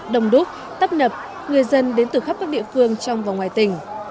đồng đúc tấp nập người dân đến từ khắp các địa phương trong và ngoài tỉnh